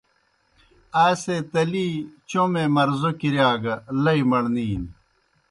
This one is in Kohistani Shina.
آئے سے تلی چومے مرضو کِرِیا گہ لئی مڑنیْ نیْ۔